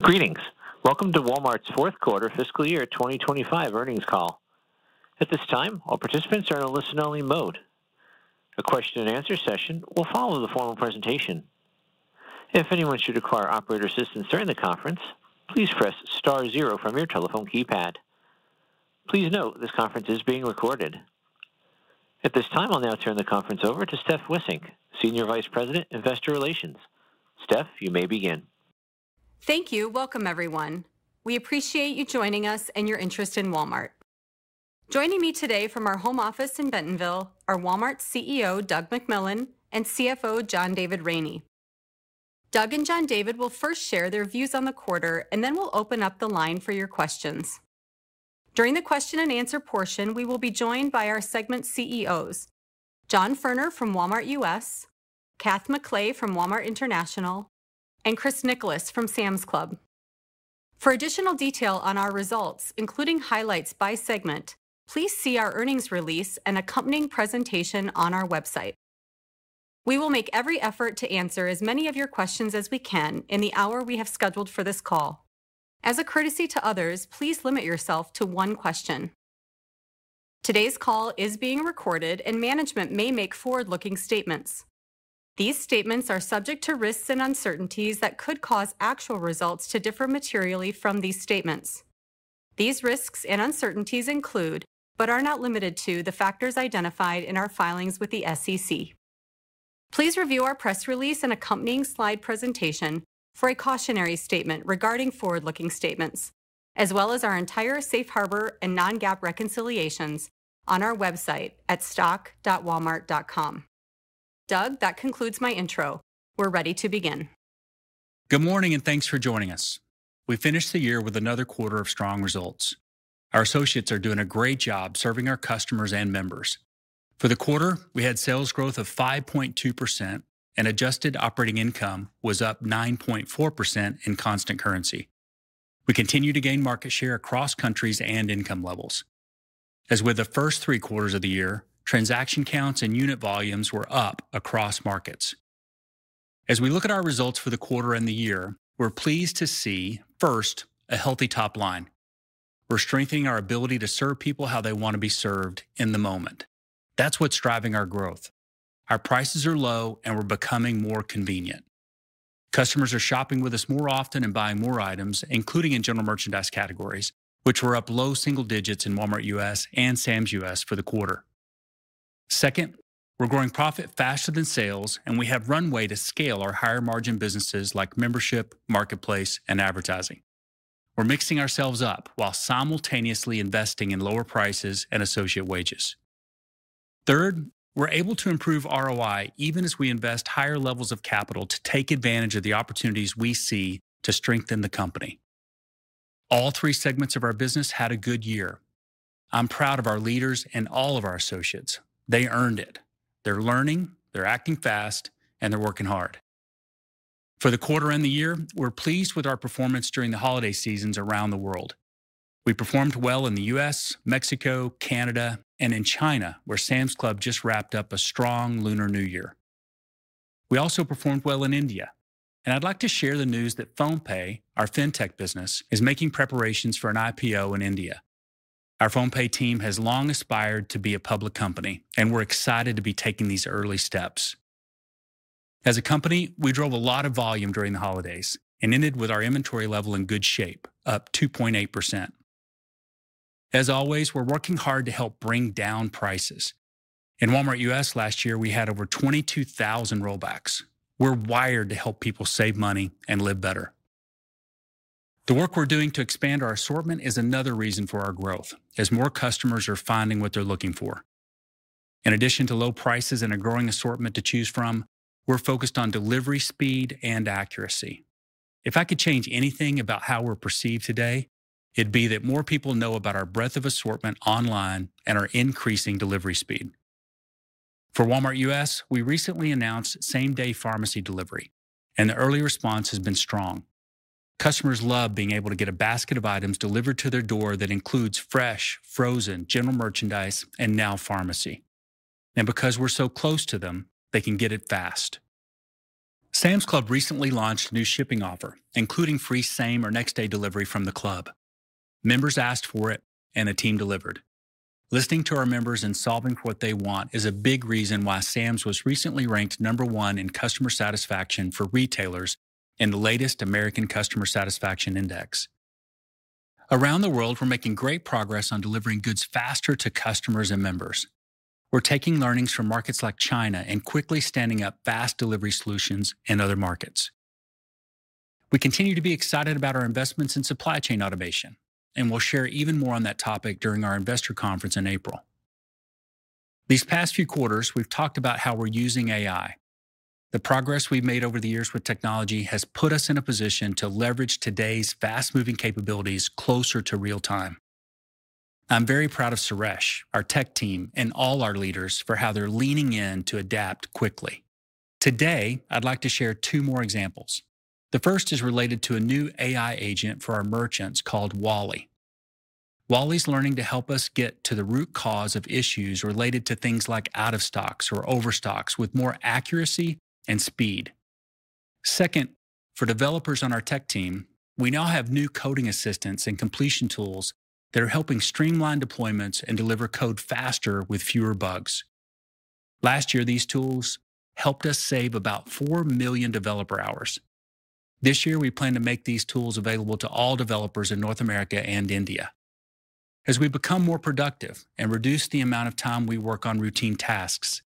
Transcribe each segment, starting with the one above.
Greetings. Welcome to Walmart's Fourth Quarter Fiscal Year 2025 Earnings Call. At this time, all participants are in a listen-only mode. A question-and-answer session will follow the formal presentation. If anyone should require operator assistance during the conference, please press star zero from your telephone keypad. Please note this conference is being recorded. At this time, I'll now turn the conference over to Steph Wissink, Senior Vice President, Investor Relations. Steph, you may begin. Thank you. Welcome, everyone. We appreciate you joining us and your interest in Walmart. Joining me today from our home office in Bentonville are Walmart's CEO, Doug McMillon, and CFO, John David Rainey. Doug and John David will first share their views on the quarter, and then we'll open up the line for your questions. During the question-and-answer portion, we will be joined by our segment CEOs, John Furner from Walmart U.S., Kath McLay from Walmart International, and Chris Nicholas from Sam's Club. For additional detail on our results, including highlights by segment, please see our earnings release and accompanying presentation on our website. We will make every effort to answer as many of your questions as we can in the hour we have scheduled for this call. As a courtesy to others, please limit yourself to one question. Today's call is being recorded, and management may make forward-looking statements. These statements are subject to risks and uncertainties that could cause actual results to differ materially from these statements. These risks and uncertainties include, but are not limited to, the factors identified in our filings with the SEC. Please review our press release and accompanying slide presentation for a cautionary statement regarding forward-looking statements, as well as our entire safe harbor and non-GAAP reconciliations on our website at stock.walmart.com. Doug, that concludes my intro. We're ready to begin. Good morning and thanks for joining us. We finished the year with another quarter of strong results. Our associates are doing a great job serving our customers and members. For the quarter, we had sales growth of 5.2%, and adjusted operating income was up 9.4% in constant currency. We continue to gain market share across countries and income levels. As with the first three quarters of the year, transaction counts and unit volumes were up across markets. As we look at our results for the quarter and the year, we're pleased to see, first, a healthy top line. We're strengthening our ability to serve people how they want to be served in the moment. That's what's driving our growth. Our prices are low, and we're becoming more convenient. Customers are shopping with us more often and buying more items, including in general merchandise categories, which were up low single digits in Walmart U.S. and Sam's U.S. for the quarter. Second, we're growing profit faster than sales, and we have runway to scale our higher margin businesses like membership, marketplace, and advertising. We're mixing ourselves up while simultaneously investing in lower prices and associate wages. Third, we're able to improve ROI even as we invest higher levels of capital to take advantage of the opportunities we see to strengthen the company. All three segments of our business had a good year. I'm proud of our leaders and all of our associates. They earned it. They're learning, they're acting fast, and they're working hard. For the quarter and the year, we're pleased with our performance during the holiday seasons around the world. We performed well in the U.S., Mexico, Canada, and in China, where Sam's Club just wrapped up a strong Lunar New Year. We also performed well in India, and I'd like to share the news that PhonePe, our fintech business, is making preparations for an IPO in India. Our PhonePe team has long aspired to be a public company, and we're excited to be taking these early steps. As a company, we drove a lot of volume during the holidays and ended with our inventory level in good shape, up 2.8%. As always, we're working hard to help bring down prices. In Walmart U.S. last year, we had over 22,000 rollbacks. We're wired to help people save money and live better. The work we're doing to expand our assortment is another reason for our growth, as more customers are finding what they're looking for. In addition to low prices and a growing assortment to choose from, we're focused on delivery speed and accuracy. If I could change anything about how we're perceived today, it'd be that more people know about our breadth of assortment online and our increasing delivery speed. For Walmart U.S., we recently announced same-day pharmacy delivery, and the early response has been strong. Customers love being able to get a basket of items delivered to their door that includes fresh, frozen, general merchandise, and now pharmacy. And because we're so close to them, they can get it fast. Sam's Club recently launched a new shipping offer, including free same or next-day delivery from the club. Members asked for it, and the team delivered. Listening to our members and solving for what they want is a big reason why Sam's was recently ranked number one in customer satisfaction for retailers in the latest American Customer Satisfaction Index. Around the world, we're making great progress on delivering goods faster to customers and members. We're taking learnings from markets like China and quickly standing up fast delivery solutions in other markets. We continue to be excited about our investments in supply chain automation, and we'll share even more on that topic during our investor conference in April. These past few quarters, we've talked about how we're using AI. The progress we've made over the years with technology has put us in a position to leverage today's fast-moving capabilities closer to real time. I'm very proud of Suresh, our tech team, and all our leaders for how they're leaning in to adapt quickly. Today, I'd like to share two more examples. The first is related to a new AI agent for our merchants called Wally. Wally's learning to help us get to the root cause of issues related to things like out-of-stocks or overstocks with more accuracy and speed. Second, for developers on our tech team, we now have new coding assistants and completion tools that are helping streamline deployments and deliver code faster with fewer bugs. Last year, these tools helped us save about 4 million developer hours. This year, we plan to make these tools available to all developers in North America and India. As we become more productive and reduce the amount of time we work on routine tasks,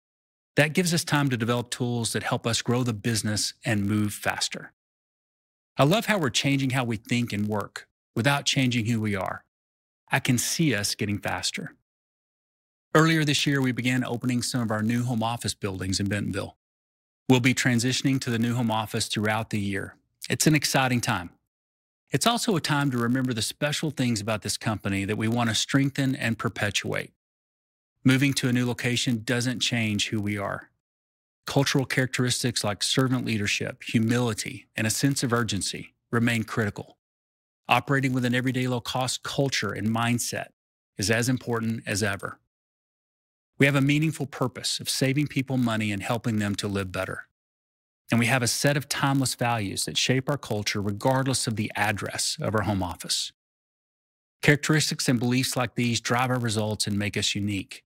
that gives us time to develop tools that help us grow the business and move faster. I love how we're changing how we think and work without changing who we are. I can see us getting faster. Earlier this year, we began opening some of our new home office buildings in Bentonville. We'll be transitioning to the new home office throughout the year. It's an exciting time. It's also a time to remember the special things about this company that we want to strengthen and perpetuate. Moving to a new location doesn't change who we are. Cultural characteristics like servant leadership, humility, and a sense of urgency remain critical. Operating with an everyday low-cost culture and mindset is as important as ever. We have a meaningful purpose of saving people money and helping them to live better. And we have a set of timeless values that shape our culture regardless of the address of our home office. Characteristics and beliefs like these drive our results and make us unique.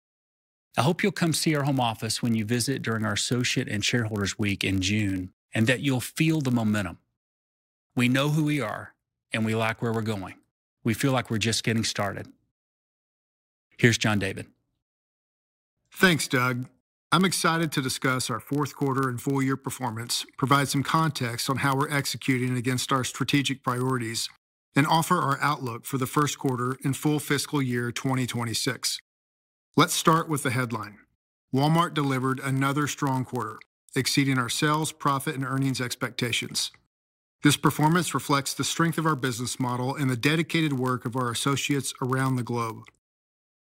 I hope you'll come see our home office when you visit during our Associates and Shareholders Week in June and that you'll feel the momentum. We know who we are, and we like where we're going. We feel like we're just getting started. Here's John David. Thanks, Doug. I'm excited to discuss our fourth quarter and full-year performance, provide some context on how we're executing against our strategic priorities, and offer our outlook for the first quarter and full fiscal year 2026. Let's start with the headline. Walmart delivered another strong quarter, exceeding our sales, profit, and earnings expectations. This performance reflects the strength of our business model and the dedicated work of our associates around the globe.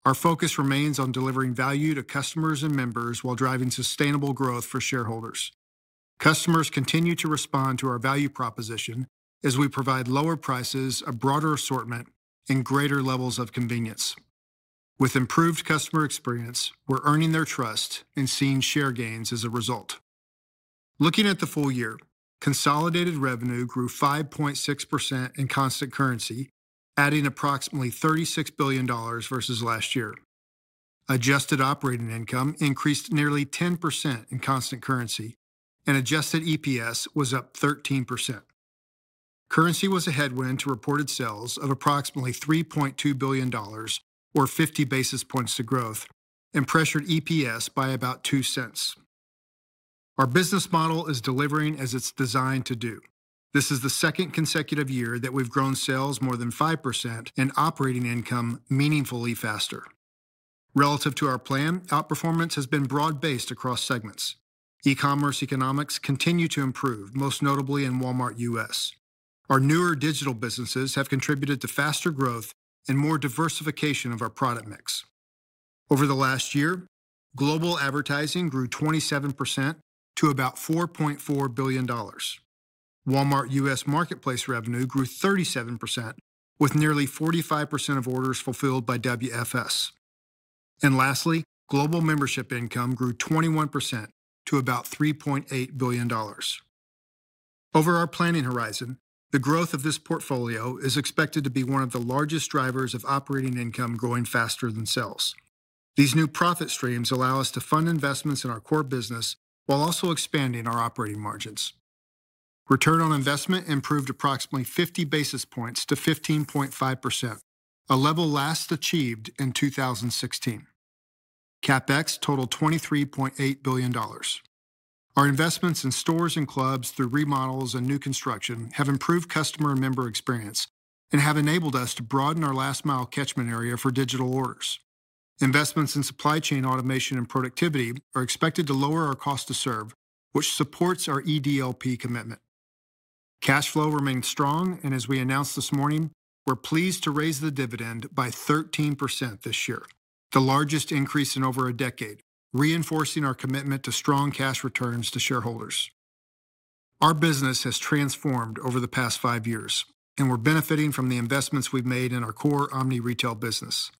Our focus remains on delivering value to customers and members while driving sustainable growth for shareholders. Customers continue to respond to our value proposition as we provide lower prices, a broader assortment, and greater levels of convenience. With improved customer experience, we're earning their trust and seeing share gains as a result. Looking at the full year, consolidated revenue grew 5.6% in constant currency, adding approximately $36 billion versus last year. Adjusted operating income increased nearly 10% in constant currency, and adjusted EPS was up 13%. Currency was a headwind to reported sales of approximately $3.2 billion, or 50 basis points to growth, and pressured EPS by about $0.02. Our business model is delivering as it's designed to do. This is the second consecutive year that we've grown sales more than 5% and operating income meaningfully faster. Relative to our plan, outperformance has been broad-based across segments. E-commerce economics continue to improve, most notably in Walmart U.S. Our newer digital businesses have contributed to faster growth and more diversification of our product mix. Over the last year, global advertising grew 27% to about $4.4 billion. Walmart U.S. marketplace revenue grew 37%, with nearly 45% of orders fulfilled by WFS. And lastly, global membership income grew 21% to about $3.8 billion. Over our planning horizon, the growth of this portfolio is expected to be one of the largest drivers of operating income growing faster than sales. These new profit streams allow us to fund investments in our core business while also expanding our operating margins. Return on investment improved approximately 50 basis points to 15.5%, a level last achieved in 2016. CapEx totaled $23.8 billion. Our investments in stores and clubs through remodels and new construction have improved customer and member experience and have enabled us to broaden our last-mile catchment area for digital orders. Investments in supply chain automation and productivity are expected to lower our cost to serve, which supports our EDLP commitment. Cash flow remained strong, and as we announced this morning, we're pleased to raise the dividend by 13% this year, the largest increase in over a decade, reinforcing our commitment to strong cash returns to shareholders. Our business has transformed over the past five years, and we're benefiting from the investments we've made in our core omni-retail business.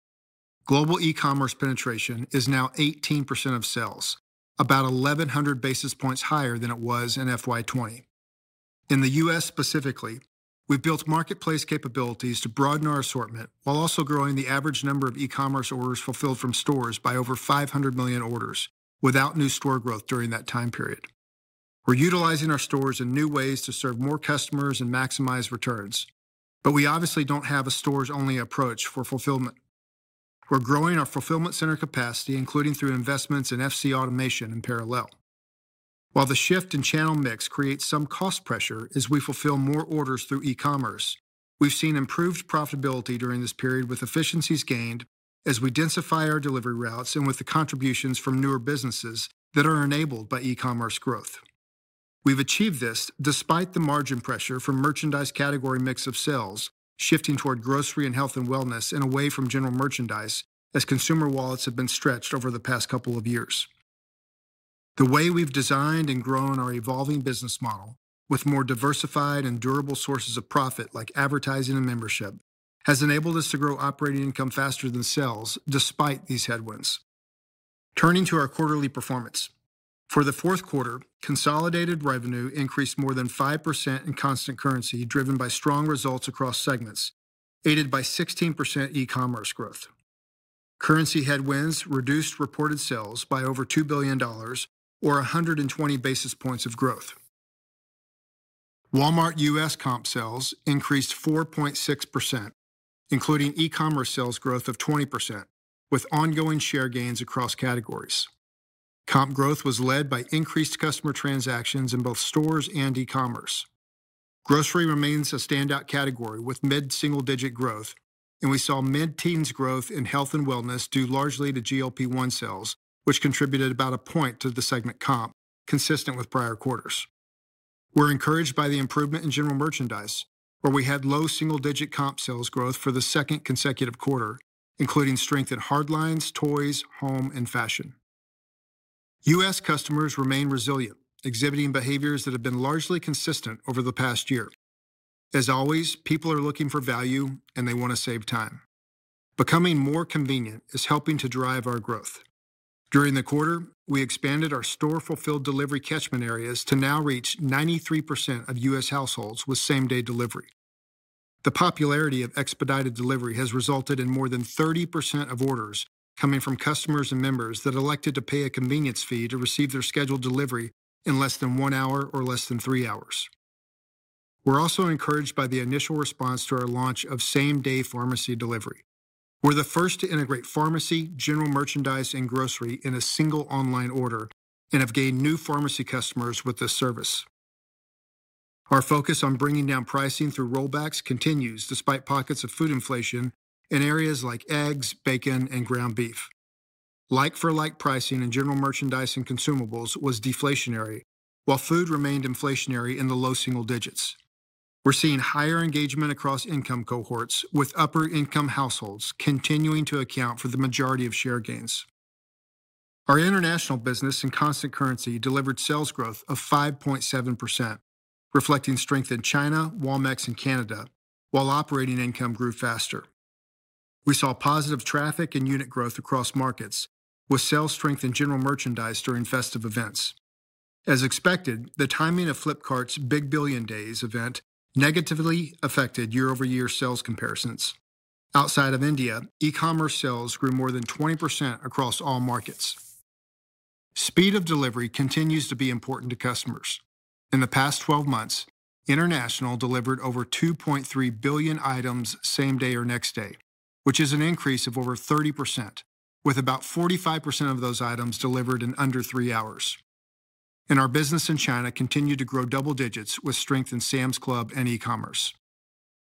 Global e-commerce penetration is now 18% of sales, about 1,100 basis points higher than it was in FY20. In the U.S. specifically, we've built marketplace capabilities to broaden our assortment while also growing the average number of e-commerce orders fulfilled from stores by over 500 million orders without new store growth during that time period. We're utilizing our stores in new ways to serve more customers and maximize returns, but we obviously don't have a stores-only approach for fulfillment. We're growing our fulfillment center capacity, including through investments in FC automation in parallel. While the shift in channel mix creates some cost pressure as we fulfill more orders through e-commerce, we've seen improved profitability during this period with efficiencies gained as we densify our delivery routes and with the contributions from newer businesses that are enabled by e-commerce growth. We've achieved this despite the margin pressure from merchandise category mix of sales shifting toward grocery and health and wellness and away from general merchandise as consumer wallets have been stretched over the past couple of years. The way we've designed and grown our evolving business model with more diversified and durable sources of profit like advertising and membership has enabled us to grow operating income faster than sales despite these headwinds. Turning to our quarterly performance, for the fourth quarter, consolidated revenue increased more than 5% in constant currency driven by strong results across segments, aided by 16% e-commerce growth. Currency headwinds reduced reported sales by over $2 billion, or 120 basis points of growth. Walmart U.S. comp sales increased 4.6%, including e-commerce sales growth of 20%, with ongoing share gains across categories. Comp growth was led by increased customer transactions in both stores and e-commerce. Grocery remains a standout category with mid-single-digit growth, and we saw mid-teens growth in health and wellness due largely to GLP-1 sales, which contributed about a point to the segment comp, consistent with prior quarters. We're encouraged by the improvement in general merchandise, where we had low single-digit comp sales growth for the second consecutive quarter, including strength in hard lines, toys, home, and fashion. U.S. customers remain resilient, exhibiting behaviors that have been largely consistent over the past year. As always, people are looking for value, and they want to save time. Becoming more convenient is helping to drive our growth. During the quarter, we expanded our store-fulfilled delivery catchment areas to now reach 93% of U.S. households with same-day delivery. The popularity of expedited delivery has resulted in more than 30% of orders coming from customers and members that elected to pay a convenience fee to receive their scheduled delivery in less than one hour or less than three hours. We're also encouraged by the initial response to our launch of same-day pharmacy delivery. We're the first to integrate pharmacy, general merchandise, and grocery in a single online order and have gained new pharmacy customers with this service. Our focus on bringing down pricing through rollbacks continues despite pockets of food inflation in areas like eggs, bacon, and ground beef. Like-for-like pricing in general merchandise and consumables was deflationary, while food remained inflationary in the low single digits. We're seeing higher engagement across income cohorts, with upper-income households continuing to account for the majority of share gains. Our international business in constant currency delivered sales growth of 5.7%, reflecting strength in China, Walmex, and Canada, while operating income grew faster. We saw positive traffic and unit growth across markets, with sales strength in general merchandise during festive events. As expected, the timing of Flipkart's Big Billion Days event negatively affected year-over-year sales comparisons. Outside of India, e-commerce sales grew more than 20% across all markets. Speed of delivery continues to be important to customers. In the past 12 months, international delivered over 2.3 billion items same day or next day, which is an increase of over 30%, with about 45% of those items delivered in under three hours, and our business in China continued to grow double digits with strength in Sam's Club and e-commerce.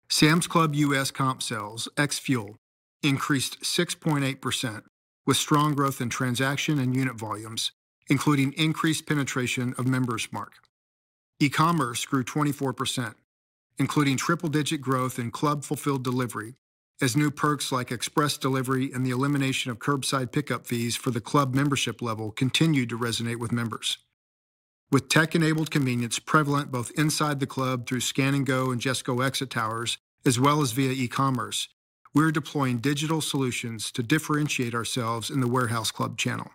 Sam's Club U.S. comp sales ex-fuel increased 6.8%, with strong growth in transaction and unit volumes, including increased penetration of Member's Mark. E-commerce grew 24%, including triple-digit growth in club-fulfilled delivery as new perks like express delivery and the elimination of curbside pickup fees for the club membership level continued to resonate with members. With tech-enabled convenience prevalent both inside the club through Scan & Go and JustGo exit towers, as well as via e-commerce, we're deploying digital solutions to differentiate ourselves in the warehouse club channel.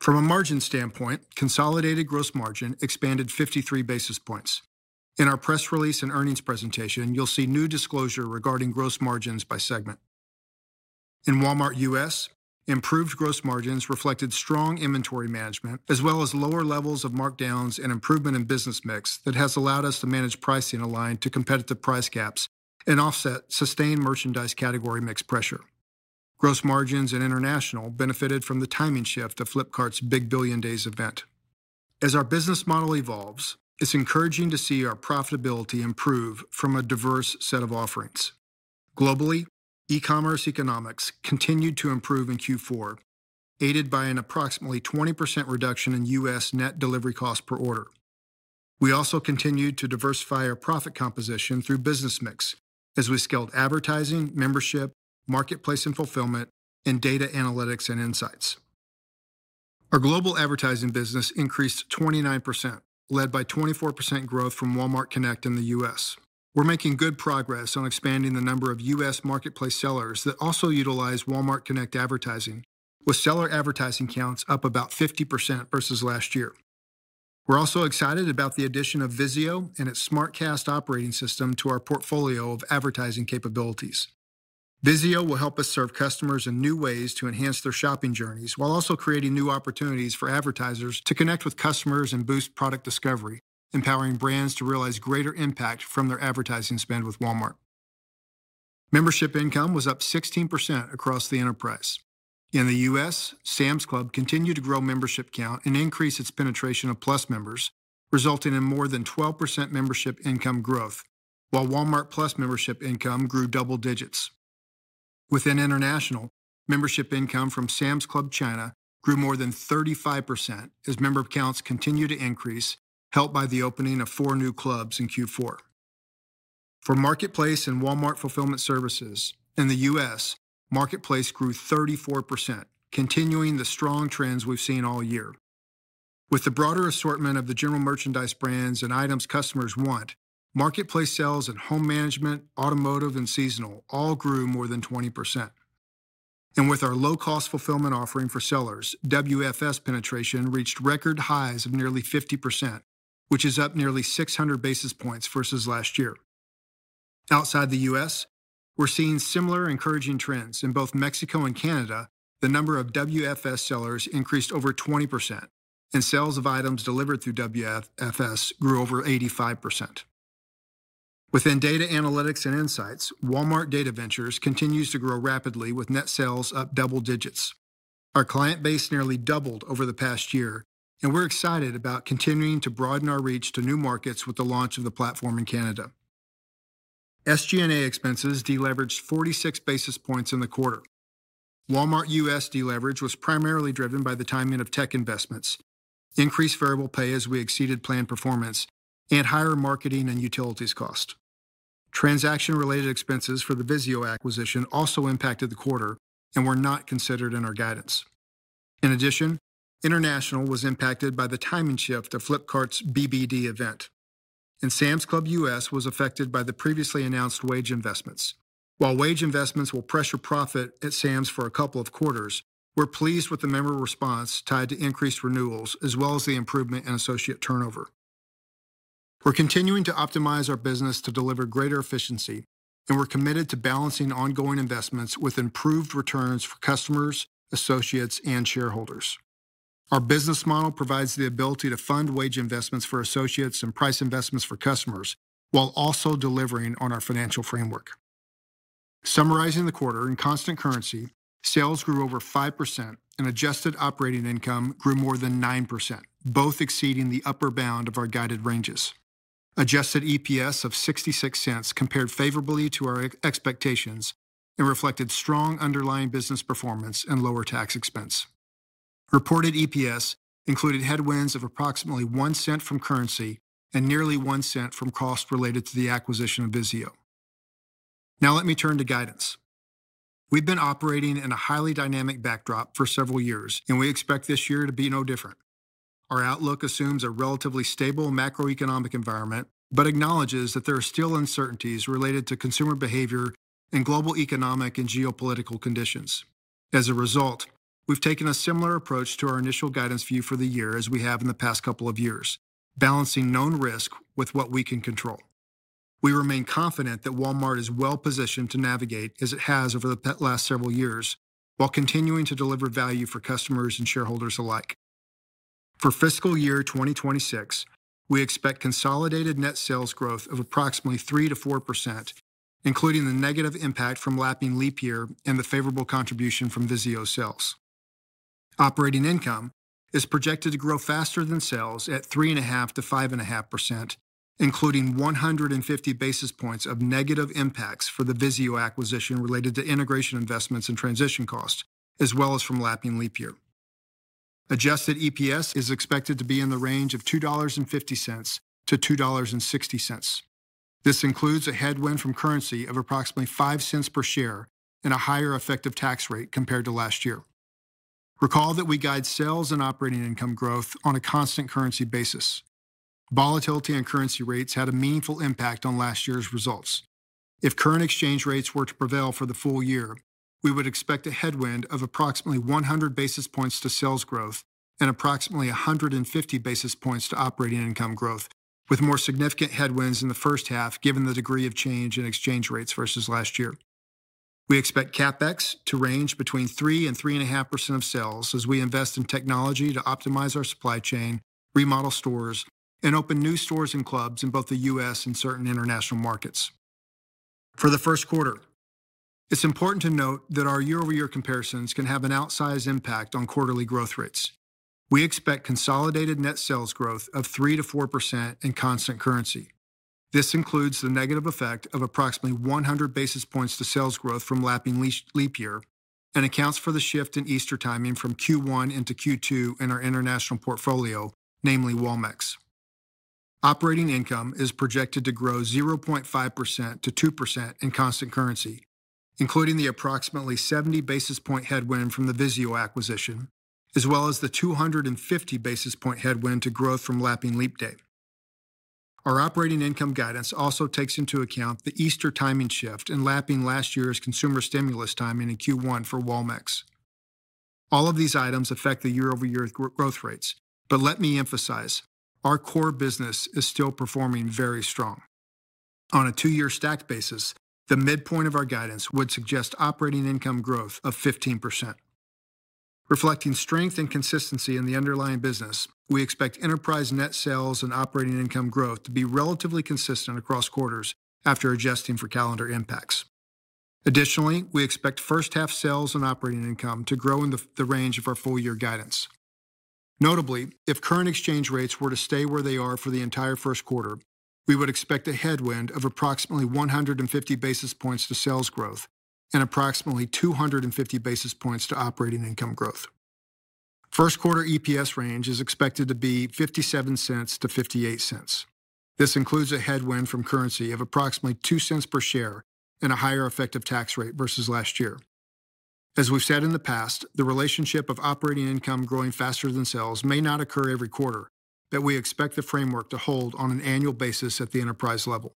From a margin standpoint, consolidated gross margin expanded 53 basis points. In our press release and earnings presentation, you'll see new disclosure regarding gross margins by segment. In Walmart U.S., improved gross margins reflected strong inventory management, as well as lower levels of markdowns and improvement in business mix that has allowed us to manage pricing aligned to competitive price gaps and offset sustained merchandise category mix pressure. Gross margins in international benefited from the timing shift of Flipkart's Big Billion Days event. As our business model evolves, it's encouraging to see our profitability improve from a diverse set of offerings. Globally, e-commerce economics continued to improve in Q4, aided by an approximately 20% reduction in U.S. net delivery costs per order. We also continued to diversify our profit composition through business mix as we scaled advertising, membership, marketplace and fulfillment, and data analytics and insights. Our global advertising business increased 29%, led by 24% growth from Walmart Connect in the U.S. We're making good progress on expanding the number of U.S. marketplace sellers that also utilize Walmart Connect advertising, with seller advertising counts up about 50% versus last year. We're also excited about the addition of VIZIO and its SmartCast Operating System to our portfolio of advertising capabilities. VIZIO will help us serve customers in new ways to enhance their shopping journeys while also creating new opportunities for advertisers to connect with customers and boost product discovery, empowering brands to realize greater impact from their advertising spend with Walmart. Membership income was up 16% across the enterprise. In the U.S., Sam's Club continued to grow membership count and increase its penetration of Plus members, resulting in more than 12% membership income growth, while Walmart+ membership income grew double digits. Within International, membership income from Sam's Club China grew more than 35% as member counts continued to increase, helped by the opening of four new clubs in Q4. For Marketplace and Walmart Fulfillment Services in the U.S., Marketplace grew 34%, continuing the strong trends we've seen all year. With the broader assortment of the general merchandise brands and items customers want, Marketplace sales in home management, automotive, and seasonal all grew more than 20%. And with our low-cost fulfillment offering for sellers, WFS penetration reached record highs of nearly 50%, which is up nearly 600 basis points versus last year. Outside the U.S., we're seeing similar encouraging trends in both Mexico and Canada. The number of WFS sellers increased over 20%, and sales of items delivered through WFS grew over 85%. Within data analytics and insights, Walmart Data Ventures continues to grow rapidly, with net sales up double digits. Our client base nearly doubled over the past year, and we're excited about continuing to broaden our reach to new markets with the launch of the platform in Canada. SG&A expenses deleveraged 46 basis points in the quarter. Walmart U.S. deleverage was primarily driven by the timing of tech investments, increased variable pay as we exceeded planned performance, and higher marketing and utilities costs. Transaction-related expenses for the VIZIO acquisition also impacted the quarter and were not considered in our guidance. In addition, international was impacted by the timing shift of Flipkart's BBD event, and Sam's Club U.S. was affected by the previously announced wage investments. While wage investments will pressure profit at Sam's for a couple of quarters, we're pleased with the member response tied to increased renewals, as well as the improvement in associate turnover. We're continuing to optimize our business to deliver greater efficiency, and we're committed to balancing ongoing investments with improved returns for customers, associates, and shareholders. Our business model provides the ability to fund wage investments for associates and price investments for customers while also delivering on our financial framework. Summarizing the quarter in constant currency, sales grew over 5%, and adjusted operating income grew more than 9%, both exceeding the upper bound of our guided ranges. Adjusted EPS of $0.66 compared favorably to our expectations and reflected strong underlying business performance and lower tax expense. Reported EPS included headwinds of approximately $0.01 from currency and nearly $0.01 from cost related to the acquisition of VIZIO. Now let me turn to guidance. We've been operating in a highly dynamic backdrop for several years, and we expect this year to be no different. Our outlook assumes a relatively stable macroeconomic environment but acknowledges that there are still uncertainties related to consumer behavior and global economic and geopolitical conditions. As a result, we've taken a similar approach to our initial guidance view for the year as we have in the past couple of years, balancing known risk with what we can control. We remain confident that Walmart is well-positioned to navigate as it has over the last several years while continuing to deliver value for customers and shareholders alike. For fiscal year 2026, we expect consolidated net sales growth of approximately 3%-4%, including the negative impact from lapping leap year and the favorable contribution from VIZIO sales. Operating income is projected to grow faster than sales at 3.5%-5.5%, including 150 basis points of negative impacts for the VIZIO acquisition related to integration investments and transition costs, as well as from lapping leap year. Adjusted EPS is expected to be in the range of $2.50-$2.60. This includes a headwind from currency of approximately $0.05 per share and a higher effective tax rate compared to last year. Recall that we guide sales and operating income growth on a constant currency basis. Volatility in currency rates had a meaningful impact on last year's results. If current exchange rates were to prevail for the full year, we would expect a headwind of approximately 100 basis points to sales growth and approximately 150 basis points to operating income growth, with more significant headwinds in the first half given the degree of change in exchange rates versus last year. We expect CapEx to range between 3% and 3.5% of sales as we invest in technology to optimize our supply chain, remodel stores, and open new stores and clubs in both the U.S. and certain international markets. For the first quarter, it's important to note that our year-over-year comparisons can have an outsized impact on quarterly growth rates. We expect consolidated net sales growth of 3%-4% in constant currency. This includes the negative effect of approximately 100 basis points to sales growth from lapping leap year and accounts for the shift in Easter timing from Q1 into Q2 in our international portfolio, namely Walmex. Operating income is projected to grow 0.5% to 2% in constant currency, including the approximately 70 basis point headwind from the VIZIO acquisition, as well as the 250 basis point headwind to growth from lapping leap day. Our operating income guidance also takes into account the Easter timing shift in lapping last year's consumer stimulus timing in Q1 for Walmex. All of these items affect the year-over-year growth rates, but let me emphasize, our core business is still performing very strong. On a two-year stacked basis, the midpoint of our guidance would suggest operating income growth of 15%. Reflecting strength and consistency in the underlying business, we expect enterprise net sales and operating income growth to be relatively consistent across quarters after adjusting for calendar impacts. Additionally, we expect first-half sales and operating income to grow in the range of our full-year guidance. Notably, if current exchange rates were to stay where they are for the entire first quarter, we would expect a headwind of approximately 150 basis points to sales growth and approximately 250 basis points to operating income growth. First-quarter EPS range is expected to be $0.57-$0.58. This includes a headwind from currency of approximately $0.02 per share and a higher effective tax rate versus last year. As we've said in the past, the relationship of operating income growing faster than sales may not occur every quarter, but we expect the framework to hold on an annual basis at the enterprise level.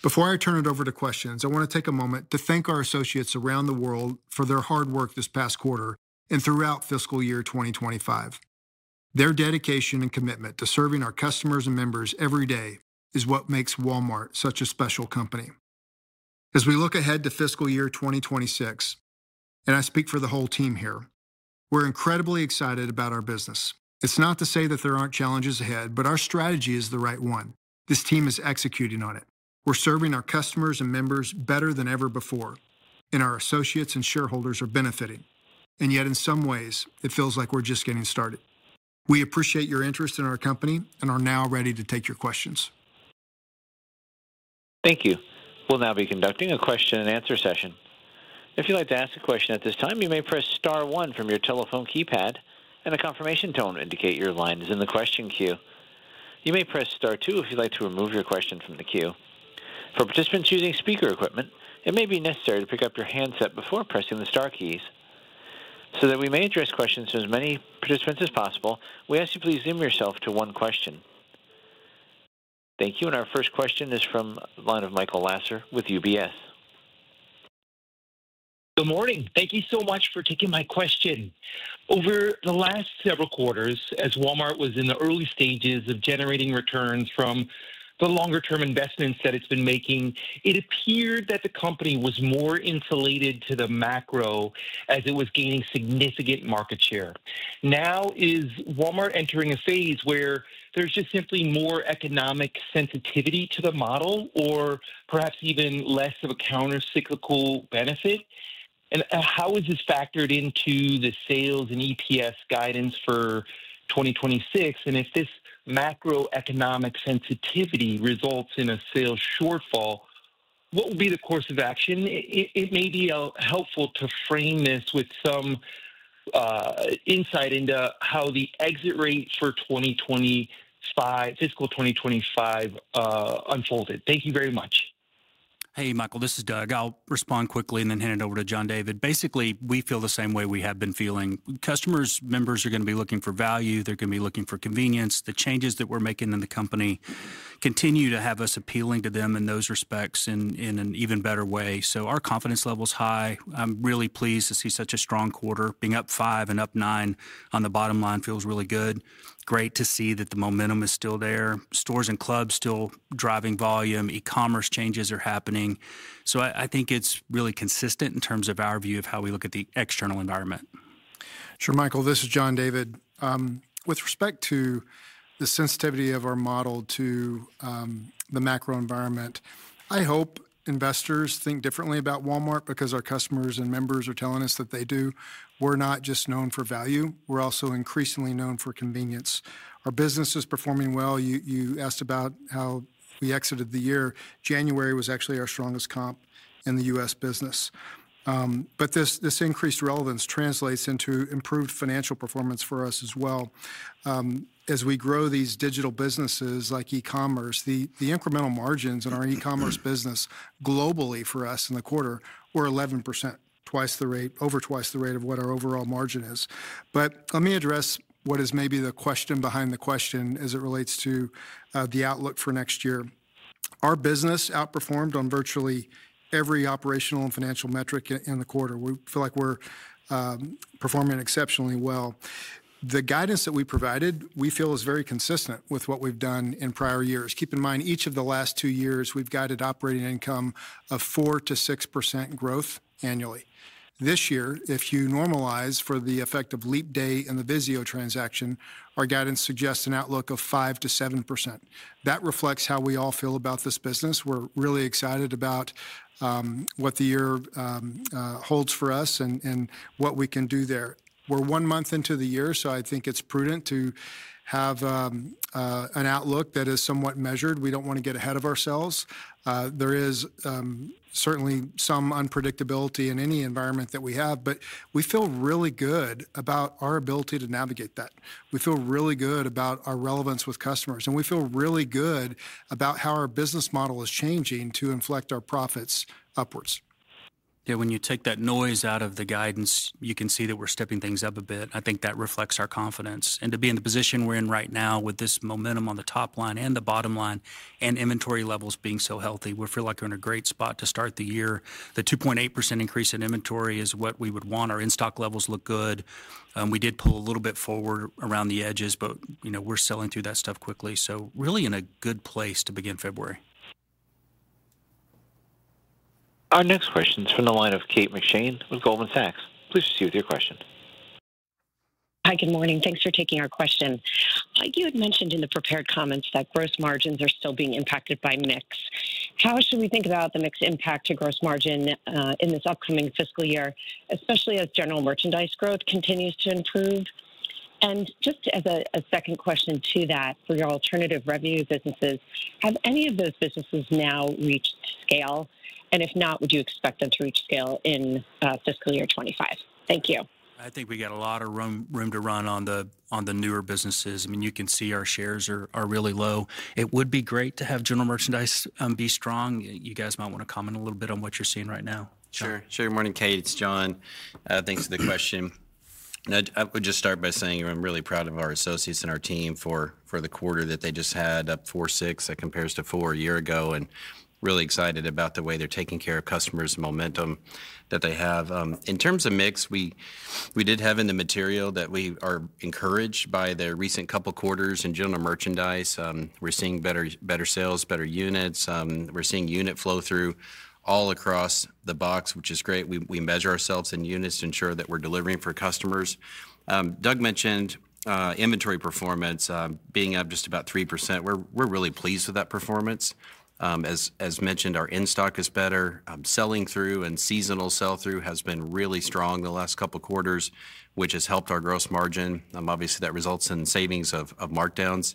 Before I turn it over to questions, I want to take a moment to thank our associates around the world for their hard work this past quarter and throughout fiscal year 2025. Their dedication and commitment to serving our customers and members every day is what makes Walmart such a special company. As we look ahead to fiscal year 2026, and I speak for the whole team here, we're incredibly excited about our business. It's not to say that there aren't challenges ahead, but our strategy is the right one. This team is executing on it. We're serving our customers and members better than ever before, and our associates and shareholders are benefiting. And yet, in some ways, it feels like we're just getting started. We appreciate your interest in our company and are now ready to take your questions. Thank you. We'll now be conducting a question-and-answer session. If you'd like to ask a question at this time, you may press star 1 from your telephone keypad, and a confirmation tone to indicate your line is in the question queue. You may press star 2 if you'd like to remove your question from the queue. For participants using speaker equipment, it may be necessary to pick up your handset before pressing the star keys. So that we may address questions to as many participants as possible, we ask you to please limit yourself to one question. Thank you. And our first question is from the line of Michael Lasser with UBS. Good morning. Thank you so much for taking my question. Over the last several quarters, as Walmart was in the early stages of generating returns from the longer-term investments that it's been making, it appeared that the company was more insulated to the macro as it was gaining significant market share. Now, is Walmart entering a phase where there's just simply more economic sensitivity to the model, or perhaps even less of a countercyclical benefit? And how is this factored into the sales and EPS guidance for 2026? And if this macroeconomic sensitivity results in a sales shortfall, what will be the course of action? It may be helpful to frame this with some insight into how the exit rate for 2025, fiscal 2025, unfolded. Thank you very much. Hey, Michael, this is Doug. I'll respond quickly and then hand it over to John David. Basically, we feel the same way we have been feeling. Customers, members, are going to be looking for value. They're going to be looking for convenience. The changes that we're making in the company continue to have us appealing to them in those respects in an even better way. So our confidence level is high. I'm really pleased to see such a strong quarter. Being up 5% and up 9% on the bottom line feels really good. Great to see that the momentum is still there. Stores and clubs still driving volume. E-commerce changes are happening. So I think it's really consistent in terms of our view of how we look at the external environment. Sure, Michael, this is John David. With respect to the sensitivity of our model to the macro environment, I hope investors think differently about Walmart because our customers and members are telling us that they do. We're not just known for value. We're also increasingly known for convenience. Our business is performing well. You asked about how we exited the year. January was actually our strongest comp in the U.S. business. But this increased relevance translates into improved financial performance for us as well. As we grow these digital businesses like e-commerce, the incremental margins in our e-commerce business globally for us in the quarter were 11%, twice the rate, over twice the rate of what our overall margin is. But let me address what is maybe the question behind the question as it relates to the outlook for next year. Our business outperformed on virtually every operational and financial metric in the quarter. We feel like we're performing exceptionally well. The guidance that we provided, we feel, is very consistent with what we've done in prior years. Keep in mind, each of the last two years, we've guided operating income of 4%-6% growth annually. This year, if you normalize for the effect of leap day and the VIZIO transaction, our guidance suggests an outlook of 5%-7%. That reflects how we all feel about this business. We're really excited about what the year holds for us and what we can do there. We're one month into the year, so I think it's prudent to have an outlook that is somewhat measured. We don't want to get ahead of ourselves. There is certainly some unpredictability in any environment that we have, but we feel really good about our ability to navigate that. We feel really good about our relevance with customers, and we feel really good about how our business model is changing to inflect our profits upwards. Yeah, when you take that noise out of the guidance, you can see that we're stepping things up a bit. I think that reflects our confidence and to be in the position we're in right now with this momentum on the top line and the bottom line and inventory levels being so healthy, we feel like we're in a great spot to start the year. The 2.8% increase in inventory is what we would want. Our in-stock levels look good. We did pull a little bit forward around the edges, but we're selling through that stuff quickly. We're really in a good place to begin February. Our next question is from the line of Kate McShane with Goldman Sachs. Please proceed with your question. Hi, good morning. Thanks for taking our question. You had mentioned in the prepared comments that gross margins are still being impacted by mix. How should we think about the mixed impact to gross margin in this upcoming fiscal year, especially as general merchandise growth continues to improve? And just as a second question to that, for your alternative revenue businesses, have any of those businesses now reached scale? And if not, would you expect them to reach scale in fiscal year 25? Thank you. I think we got a lot of room to run on the newer businesses. I mean, you can see our shares are really low. It would be great to have general merchandise be strong. You guys might want to comment a little bit on what you're seeing right now. Sure. Sure. Good morning, Kate. It's John. Thanks for the question. I would just start by saying I'm really proud of our associates and our team for the quarter that they just had, up 4.6% that compares to 4% a year ago, and really excited about the way they're taking care of customers and momentum that they have. In terms of mix, we did have in the material that we are encouraged by the recent couple quarters in general merchandise. We're seeing better sales, better units. We're seeing unit flow through all across the box, which is great. We measure ourselves in units to ensure that we're delivering for customers. Doug mentioned inventory performance being up just about 3%. We're really pleased with that performance. As mentioned, our in-stock is better. Selling through and seasonal sell-through has been really strong the last couple quarters, which has helped our gross margin. Obviously, that results in savings of markdowns.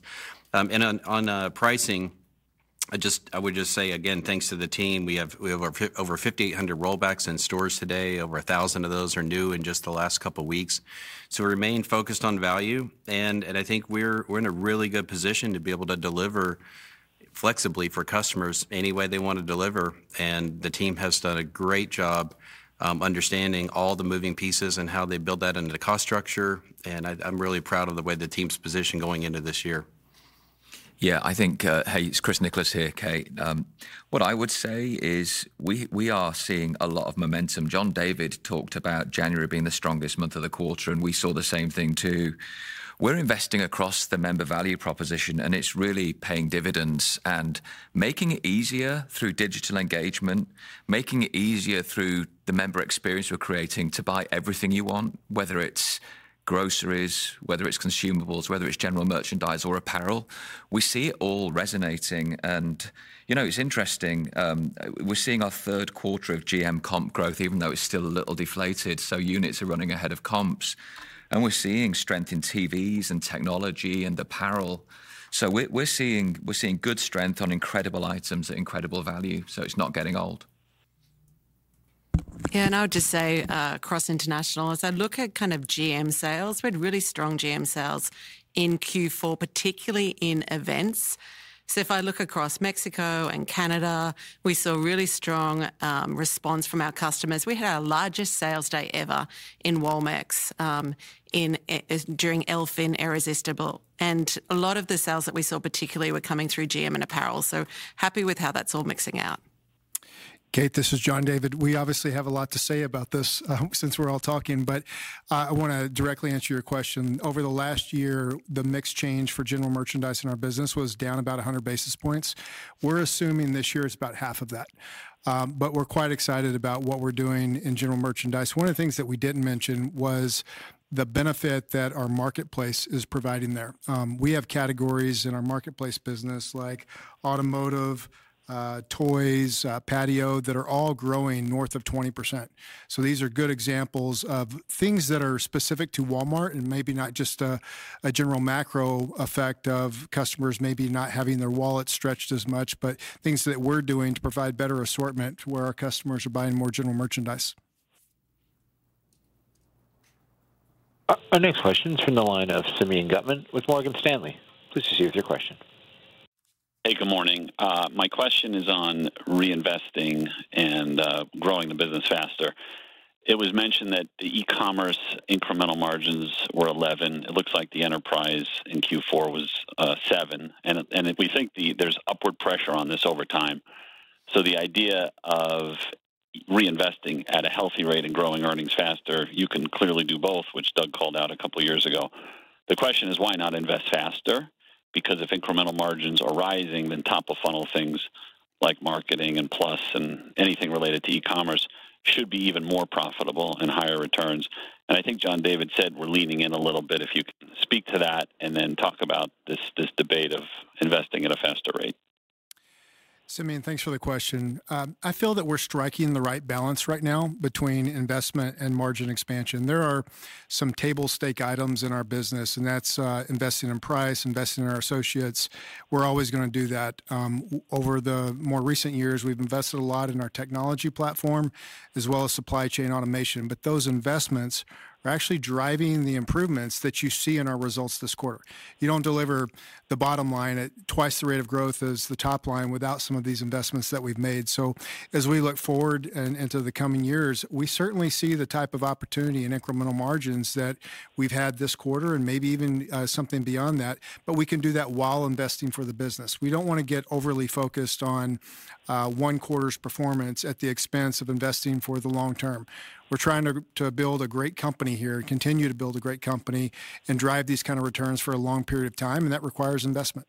On pricing, I would just say, again, thanks to the team. We have over 5,800 rollbacks in stores today. Over 1,000 of those are new in just the last couple weeks. We remain focused on value. I think we're in a really good position to be able to deliver flexibly for customers any way they want to deliver. The team has done a great job understanding all the moving pieces and how they build that into the cost structure. I'm really proud of the way the team is positioned going into this year. Yeah, this is Chris Nicholas here, Kate. What I would say is we are seeing a lot of momentum. John David talked about January being the strongest month of the quarter, and we saw the same thing too. We're investing across the member value proposition, and it's really paying dividends and making it easier through digital engagement, making it easier through the member experience we're creating to buy everything you want, whether it's groceries, whether it's consumables, whether it's general merchandise or apparel. We see it all resonating, and it's interesting. We're seeing our third quarter of GM comp growth, even though it's still a little deflated, so units are running ahead of comps, and we're seeing strength in TVs and technology and apparel. So we're seeing good strength on incredible items at incredible value. So it's not getting old. Yeah, and I would just say across international, as I look at kind of GM sales, we had really strong GM sales in Q4, particularly in events, so if I look across Mexico and Canada, we saw really strong response from our customers. We had our largest sales day ever in Walmex during El Fin Irresistible. And a lot of the sales that we saw particularly were coming through GM and apparel. So happy with how that's all shaking out. Kate, this is John David. We obviously have a lot to say about this since we're all talking, but I want to directly answer your question. Over the last year, the mix change for general merchandise in our business was down about 100 basis points. We're assuming this year it's about half of that. But we're quite excited about what we're doing in general merchandise. One of the things that we didn't mention was the benefit that our marketplace is providing there. We have categories in our marketplace business like automotive, toys, patio that are all growing north of 20%. So these are good examples of things that are specific to Walmart and maybe not just a general macro effect of customers maybe not having their wallet stretched as much, but things that we're doing to provide better assortment where our customers are buying more general merchandise. Our next question is from the line of Simeon Gutman with Morgan Stanley. Please proceed with your question. Hey, good morning. My question is on reinvesting and growing the business faster. It was mentioned that the e-commerce incremental margins were 11%. It looks like the enterprise in Q4 was 7%. And we think there's upward pressure on this over time. So the idea of reinvesting at a healthy rate and growing earnings faster, you can clearly do both, which Doug called out a couple of years ago. The question is, why not invest faster? Because if incremental margins are rising, then top-of-funnel things like marketing and plus and anything related to e-commerce should be even more profitable and higher returns. And I think John David said we're leaning in a little bit. If you can speak to that and then talk about this debate of investing at a faster rate. Simeon, thanks for the question. I feel that we're striking the right balance right now between investment and margin expansion. There are some table stakes items in our business, and that's investing in price, investing in our associates. We're always going to do that. Over the more recent years, we've invested a lot in our technology platform as well as supply chain automation. But those investments are actually driving the improvements that you see in our results this quarter. You don't deliver the bottom line at twice the rate of growth as the top line without some of these investments that we've made. So as we look forward into the coming years, we certainly see the type of opportunity and incremental margins that we've had this quarter and maybe even something beyond that. But we can do that while investing for the business. We don't want to get overly focused on one quarter's performance at the expense of investing for the long term. We're trying to build a great company here, continue to build a great company, and drive these kinds of returns for a long period of time. And that requires investment.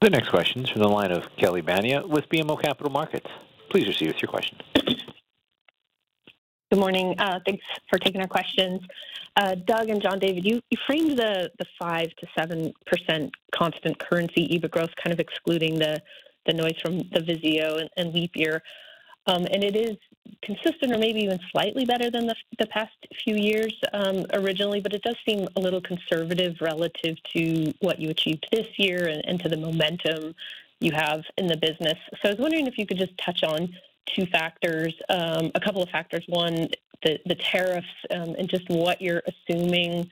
The next question is from the line of Kelly Bania with BMO Capital Markets. Please proceed with your question. Good morning. Thanks for taking our questions. Doug and John David, you framed the 5%-7% constant currency EBIT growth, kind of excluding the noise from the VIZIO and leap year, and it is consistent or maybe even slightly better than the past few years originally, but it does seem a little conservative relative to what you achieved this year and to the momentum you have in the business, so I was wondering if you could just touch on two factors, a couple of factors. One, the tariffs and just what you're assuming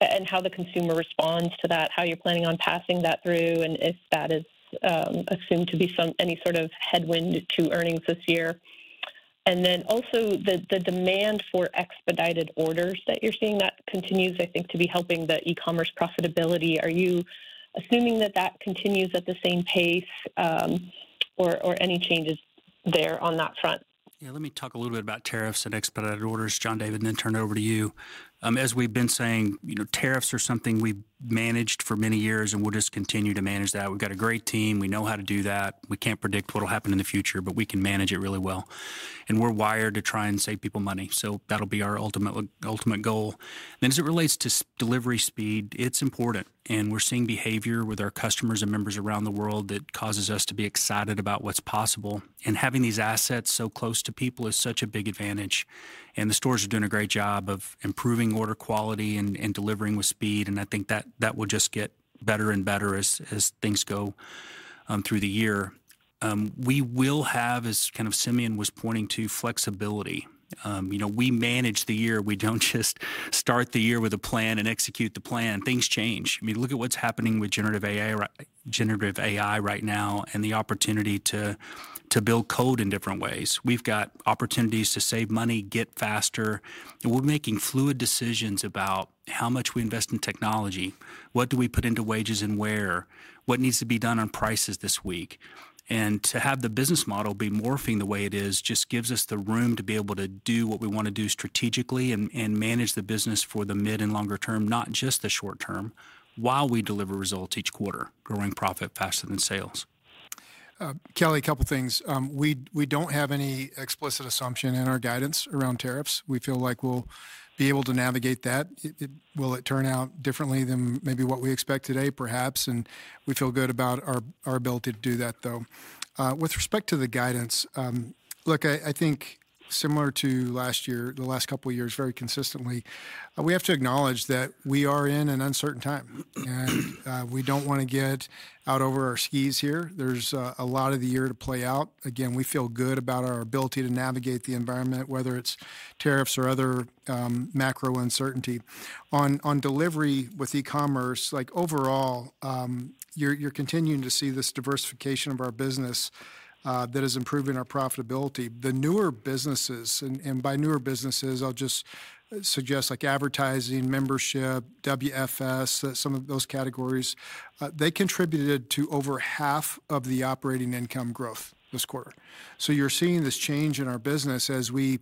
and how the consumer responds to that, how you're planning on passing that through, and if that is assumed to be some any sort of headwind to earnings this year, and then also the demand for expedited orders that you're seeing that continues, I think, to be helping the e-commerce profitability. Are you assuming that that continues at the same pace or any changes there on that front? Yeah, let me talk a little bit about tariffs and expedited orders. John David, then turn it over to you. As we've been saying, tariffs are something we've managed for many years, and we'll just continue to manage that. We've got a great team. We know how to do that. We can't predict what will happen in the future, but we can manage it really well. And we're wired to try and save people money. So that'll be our ultimate goal. And as it relates to delivery speed, it's important. And we're seeing behavior with our customers and members around the world that causes us to be excited about what's possible. And having these assets so close to people is such a big advantage. The stores are doing a great job of improving order quality and delivering with speed. I think that will just get better and better as things go through the year. We will have, as kind of Simeon was pointing to, flexibility. We manage the year. We don't just start the year with a plan and execute the plan. Things change. I mean, look at what's happening with generative AI right now and the opportunity to build code in different ways. We've got opportunities to save money, get faster. We're making fluid decisions about how much we invest in technology, what do we put into wages and where, what needs to be done on prices this week. And to have the business model be morphing the way it is just gives us the room to be able to do what we want to do strategically and manage the business for the mid and longer term, not just the short term, while we deliver results each quarter, growing profit faster than sales. Kelly, a couple of things. We don't have any explicit assumption in our guidance around tariffs. We feel like we'll be able to navigate that. Will it turn out differently than maybe what we expect today, perhaps? And we feel good about our ability to do that, though. With respect to the guidance, look, I think similar to last year, the last couple of years, very consistently, we have to acknowledge that we are in an uncertain time. And we don't want to get out over our skis here. There's a lot of the year to play out. Again, we feel good about our ability to navigate the environment, whether it's tariffs or other macro uncertainty. On delivery with e-commerce, overall, you're continuing to see this diversification of our business that is improving our profitability. The newer businesses, and by newer businesses, I'll just suggest like advertising, membership, WFS, some of those categories, they contributed to over half of the operating income growth this quarter. So you're seeing this change in our business as we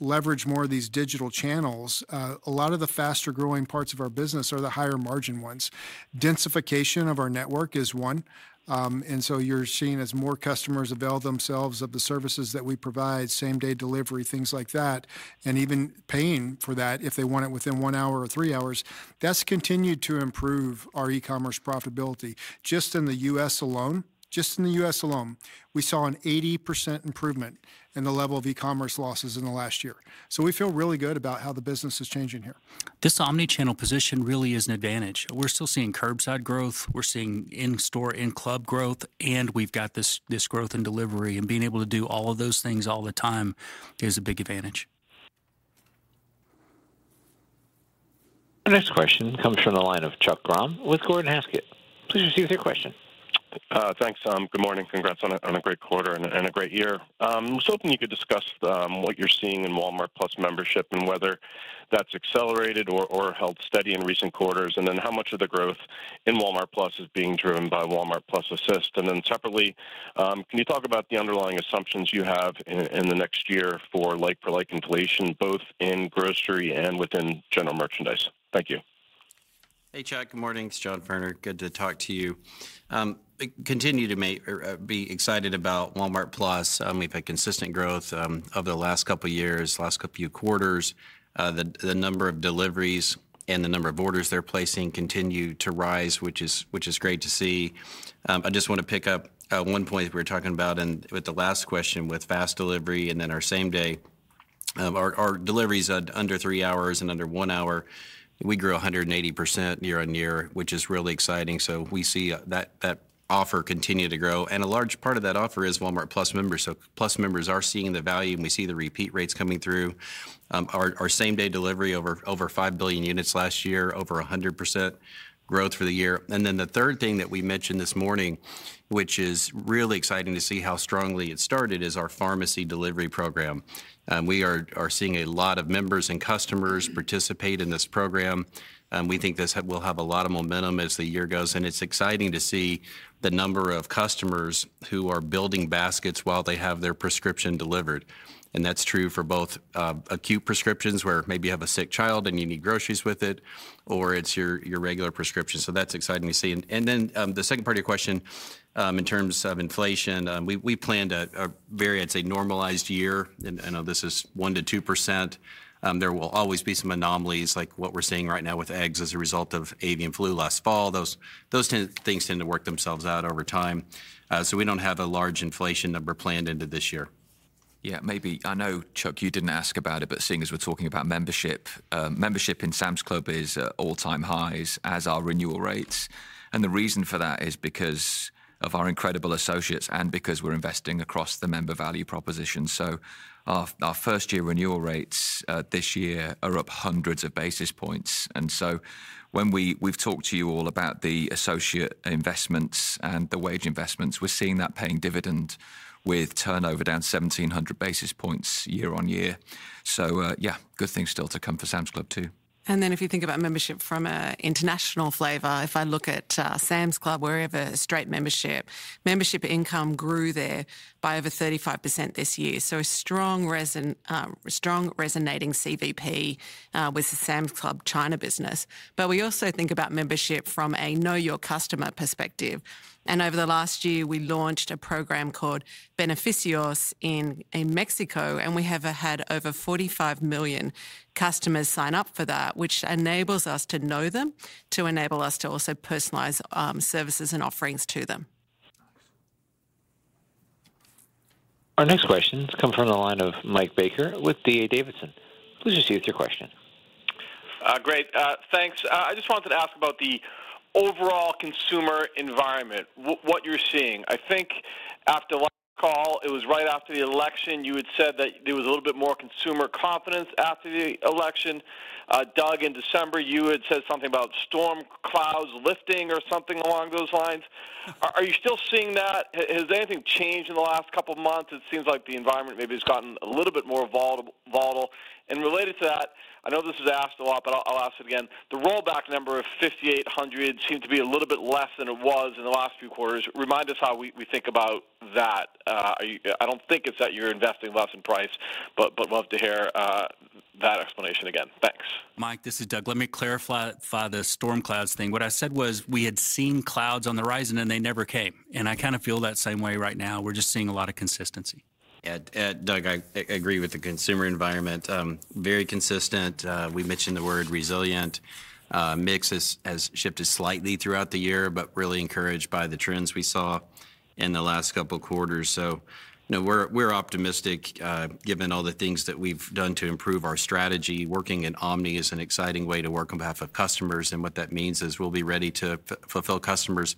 leverage more of these digital channels. A lot of the faster growing parts of our business are the higher margin ones. Densification of our network is one. And so you're seeing as more customers avail themselves of the services that we provide, same-day delivery, things like that, and even paying for that if they want it within one hour or three hours, that's continued to improve our e-commerce profitability. Just in the U.S. alone, just in the U.S. alone, we saw an 80% improvement in the level of e-commerce losses in the last year. So we feel really good about how the business is changing here. This omnichannel position really is an advantage. We're still seeing curbside growth. We're seeing in-store, in-club growth. And we've got this growth in delivery. And being able to do all of those things all the time is a big advantage. The next question comes from the line of Chuck Grom with Gordon Haskett. Please proceed with your question. Thanks. Good morning. Congrats on a great quarter and a great year. I was hoping you could discuss what you're seeing in Walmart+ membership and whether that's accelerated or held steady in recent quarters, and then how much of the growth in Walmart+ is being driven by Walmart+ Assist. And then separately, can you talk about the underlying assumptions you have in the next year for like-for-like inflation, both in grocery and within general merchandise? Thank you. Hey, Chuck. Good morning. It's John Furner. Good to talk to you. Continue to be excited about Walmart+. We've had consistent growth over the last couple of years, last couple of quarters. The number of deliveries and the number of orders they're placing continue to rise, which is great to see. I just want to pick up one point we were talking about with the last question with fast delivery and then our same-day. Our deliveries are under three hours and under one hour. We grew 180% year on year, which is really exciting. So we see that offer continue to grow. And a large part of that offer is Walmart+ members. So Plus members are seeing the value. We see the repeat rates coming through. Our same-day delivery over 5 billion units last year, over 100% growth for the year. And then the third thing that we mentioned this morning, which is really exciting to see how strongly it started, is our pharmacy delivery program. We are seeing a lot of members and customers participate in this program. We think this will have a lot of momentum as the year goes. And it's exciting to see the number of customers who are building baskets while they have their prescription delivered. And that's true for both acute prescriptions where maybe you have a sick child and you need groceries with it, or it's your regular prescription. So that's exciting to see. And then the second part of your question in terms of inflation, we planned a very, I'd say, normalized year. And I know this is 1%-2%. There will always be some anomalies like what we're seeing right now with eggs as a result of avian flu last fall. Those things tend to work themselves out over time. So we don't have a large inflation number planned into this year. Yeah, maybe. I know, Chuck, you didn't ask about it, but seeing as we're talking about membership, membership in Sam's Club is at all-time highs as are renewal rates. And the reason for that is because of our incredible associates and because we're investing across the member value proposition. Our first-year renewal rates this year are up hundreds of basis points. And so when we've talked to you all about the associate investments and the wage investments, we're seeing that paying dividend with turnover down 1,700 basis points year on year. So yeah, good things still to come for Sam's Club too. And then if you think about membership from an international flavor, if I look at Sam's Club, we're over straight membership. Membership income grew there by over 35% this year. So a strong resonating CVP with the Sam's Club China business. But we also think about membership from a know-your-customer perspective. And over the last year, we launched a program called Beneficios in Mexico. And we have had over 45 million customers sign up for that, which enables us to know them, to enable us to also personalize services and offerings to them. Our next question has come from the line of Mike Baker with D.A. Davidson. Please proceed with your question. Great. Thanks. I just wanted to ask about the overall consumer environment, what you're seeing. I think after the last call, it was right after the election, you had said that there was a little bit more consumer confidence after the election. Doug, in December, you had said something about storm clouds lifting or something along those lines. Are you still seeing that? Has anything changed in the last couple of months? It seems like the environment maybe has gotten a little bit more volatile. And related to that, I know this is asked a lot, but I'll ask it again. The rollback number of 5,800 seemed to be a little bit less than it was in the last few quarters. Remind us how we think about that. I don't think it's that you're investing less in price, but love to hear that explanation again. Thanks. Mike, this is Doug. Let me clarify the storm clouds thing. What I said was we had seen clouds on the horizon, and they never came. And I kind of feel that same way right now. We're just seeing a lot of consistency. Yeah, Doug, I agree with the consumer environment. Very consistent. We mentioned the word resilient. Mix has shifted slightly throughout the year, but really encouraged by the trends we saw in the last couple of quarters. So we're optimistic given all the things that we've done to improve our strategy. Working in omni is an exciting way to work on behalf of customers. What that means is we'll be ready to fulfill customers'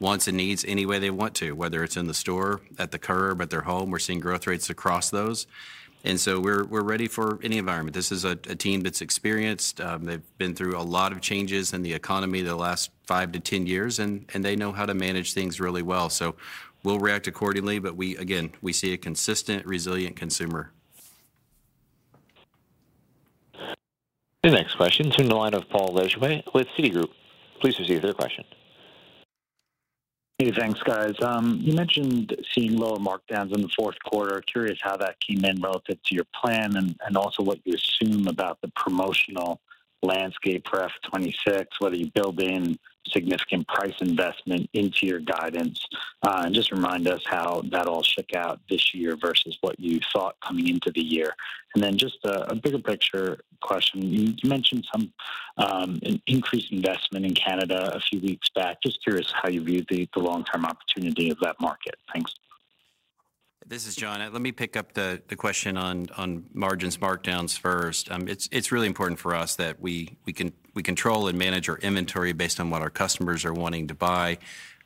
wants and needs any way they want to, whether it's in the store, at the curb, at their home. We're seeing growth rates across those. We're ready for any environment. This is a team that's experienced. They've been through a lot of changes in the economy the last five to 10 years, and they know how to manage things really well. We'll react accordingly. Again, we see a consistent, resilient consumer. The next question is from the line of Paul Lejuez with Citigroup. Please proceed with your question. Hey, thanks, guys. You mentioned seeing lower markdowns in the fourth quarter. Curious how that came in relative to your plan and also what you assume about the promotional landscape for F2026, whether you build in significant price investment into your guidance. Just remind us how that all shook out this year versus what you thought coming into the year. Then just a bigger picture question. You mentioned some increased investment in Canada a few weeks back. Just curious how you view the long-term opportunity of that market. Thanks. This is John. Let me pick up the question on margins, markdowns first. It's really important for us that we control and manage our inventory based on what our customers are wanting to buy.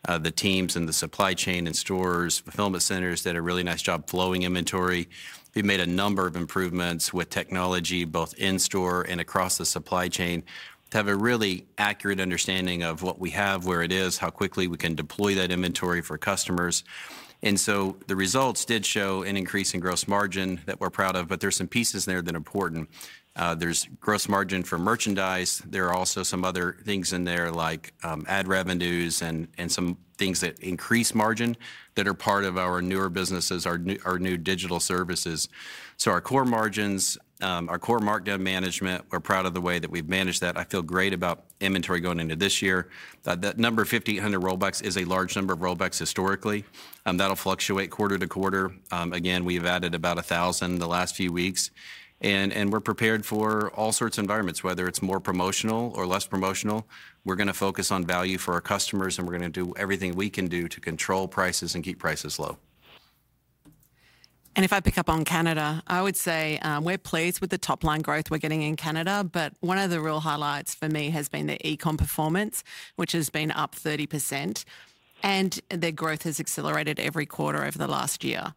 The teams and the supply chain and stores, fulfillment centers did a really nice job flowing inventory. We've made a number of improvements with technology, both in-store and across the supply chain, to have a really accurate understanding of what we have, where it is, how quickly we can deploy that inventory for customers. And so the results did show an increase in gross margin that we're proud of, but there's some pieces there that are important. There's gross margin for merchandise. There are also some other things in there, like ad revenues and some things that increase margin that are part of our newer businesses, our new digital services. So our core margins, our core markdown management, we're proud of the way that we've managed that. I feel great about inventory going into this year. That number of 1,500 rollbacks is a large number of rollbacks historically. That'll fluctuate quarter to quarter. Again, we've added about 1,000 the last few weeks. And we're prepared for all sorts of environments, whether it's more promotional or less promotional. We're going to focus on value for our customers, and we're going to do everything we can do to control prices and keep prices low. If I pick up on Canada, I would say we're pleased with the top-line growth we're getting in Canada. But one of the real highlights for me has been the e-com performance, which has been up 30%. And their growth has accelerated every quarter over the last year.